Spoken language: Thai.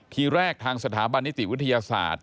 ทีแรกทางสถาบันนิติวิทยาศาสตร์